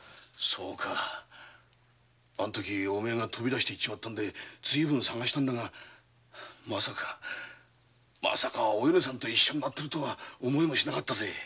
そうかあん時お前が飛び出しちまって随分捜したんだがまさかお米さんと一緒になっているとは思いもしなかったぜ。